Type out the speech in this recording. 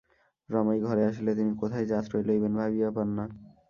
রমাই ঘরে আসিলে তিনি কোথায় যে আশ্রয় লইবেন ভাবিয়া পান না।